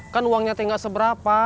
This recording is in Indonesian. kan uangnya tinggal seberapa